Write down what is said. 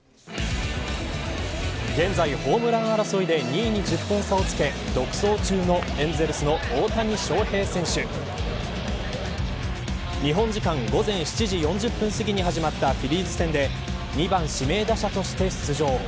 現在ホームラン争いで２位に１０本差をつけ独走中のエンゼルスの大谷翔平選手。日本時間午前７時４０分すぎに始まったフィリーズ戦で２番指名打者として出場。